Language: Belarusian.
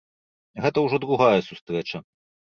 Гэта ўжо другая сустрэча.